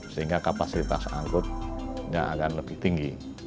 sehingga kapasitas angkutnya akan lebih tinggi